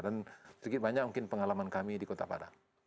dan sedikit banyak mungkin pengalaman kami di kota padang